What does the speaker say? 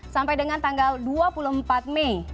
sampai dengan tanggal dua puluh empat mei